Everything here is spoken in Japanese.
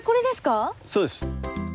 そうです。